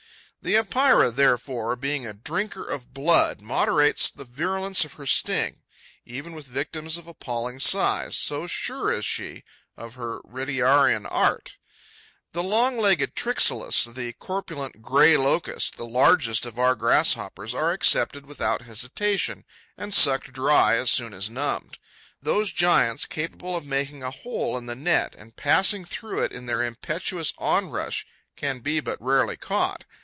The Epeira, therefore, being a drinker of blood, moderates the virulence of her sting, even with victims of appalling size, so sure is she of her retiarian art. The long legged Tryxalis, the corpulent Grey Locust, the largest of our Grasshoppers are accepted without hesitation and sucked dry as soon as numbed. Those giants, capable of making a hole in the net and passing through it in their impetuous onrush, can be but rarely caught.